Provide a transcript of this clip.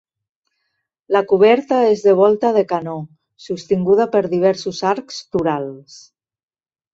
La coberta és de volta de canó sostinguda per diversos arcs torals.